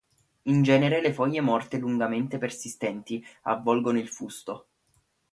In genere le foglie morte lungamente persistenti avvolgono il fusto.